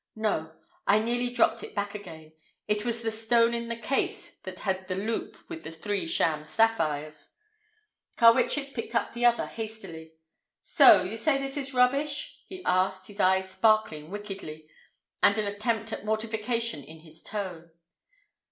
No! I nearly dropped it back again. It was the stone in the case that had the loop with the three sham sapphires! Carwitchet picked the other up hastily. "So you say this is rubbish?" he asked, his eyes sparkling wickedly, and an attempt at mortification in his tone.